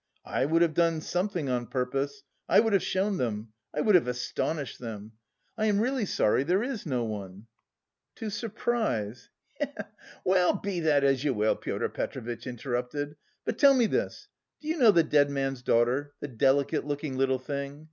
I would have done something on purpose... I would have shown them! I would have astonished them! I am really sorry there is no one!" "To surprise! He he! Well, be that as you will," Pyotr Petrovitch interrupted, "but tell me this; do you know the dead man's daughter, the delicate looking little thing?